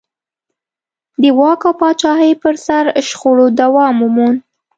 د واک او پاچاهۍ پر سر شخړو دوام وموند.